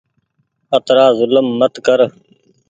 اترآ زولم مت ڪر